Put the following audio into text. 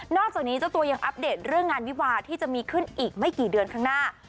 จากนี้เจ้าตัวยังอัปเดตเรื่องงานวิวาที่จะมีขึ้นอีกไม่กี่เดือนข้างหน้า